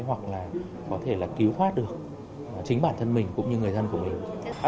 hoặc là có thể cứu hoát được chính bản thân mình cũng như người dân của mình